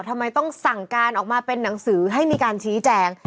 ทำไมต้องสั่งการออกมาเป็นหนังสือให้มีการชี้แจง